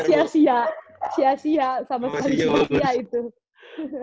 sia sia sia sia sama sekali